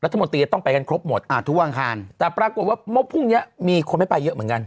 รัฐมนตรีจะต้องไปกันครบหมดอ่าทุกอังคารแต่ปรากฏว่าเมื่อพรุ่งเนี้ยมีคนไม่ไปเยอะเหมือนกัน